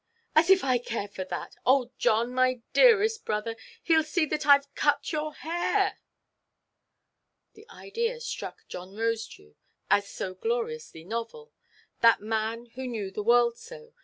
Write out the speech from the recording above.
"As if I cared for that! Oh, John, my dearest brother, heʼll see that Iʼve cut your hair!" The idea struck John Rosedew as so gloriously novel—that man who knew the world so!